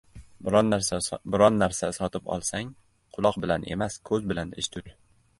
• Biron narsa sotib olsang quloq bilan emas, ko‘z bilan ish tut.